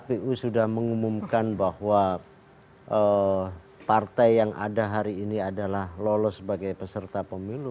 kpu sudah mengumumkan bahwa partai yang ada hari ini adalah lolos sebagai peserta pemilu